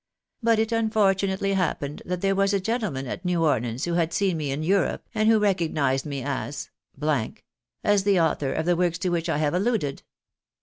But it unfortunately happened that there was a gentleman at New Orleans who had seen me in Europe, and who recognised me as , as the author of the works to which I have alluded.